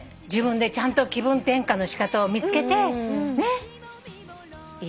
自分でちゃんと気分転換のしかたを見つけて。